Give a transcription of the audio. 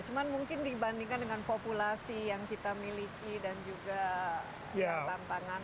cuma mungkin dibandingkan dengan populasi yang kita miliki dan juga tantangan